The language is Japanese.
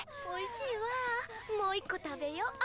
おいしいわあもう１個食べよ。